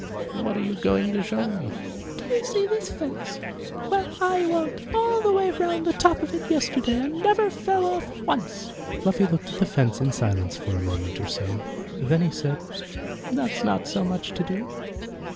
"What are you going to show me?" "Do you see this fence? Well, I walked all the way round on the top of it yesterday, and never fell off once." Fluffy looked at the fence in silence for a moment or so. Then he said, "That's not so much to do."